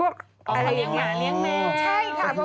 อ๋อเขาเลี้ยงหมาเลี้ยงแมว